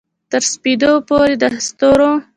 تر سپیدو پوري د ستورو